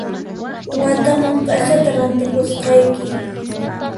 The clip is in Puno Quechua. Wataman p'achata rantipusqayki